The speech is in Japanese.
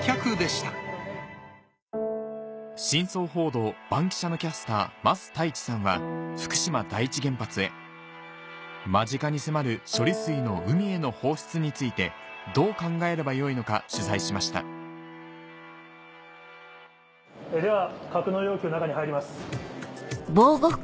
『真相報道バンキシャ！』のキャスター桝太一さんは福島第一原発へ間近に迫る処理水の海への放出についてどう考えればよいのか取材しましたでは。